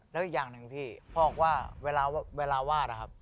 แล้วอีกอย่างหนึ่งพี่พ่อก็ว่าเวลาวาด